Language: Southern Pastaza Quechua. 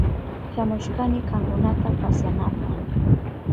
Shamushkani kankunata pasyanapa.